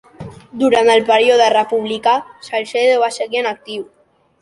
Durant el període republicà, Salcedo va seguir en actiu.